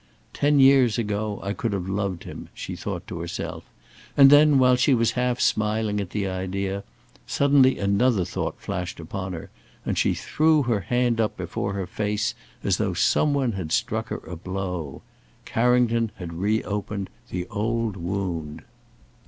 "Ten years ago, I could have loved him," she thought to herself, and then, while she was half smiling at the idea, suddenly another thought flashed upon her, and she threw her hand up before her face as though some one had struck her a blow. Carrington had reopened the old wound.